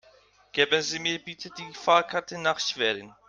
Geben Sie mir bitte die Fahrkarte nach Schwerin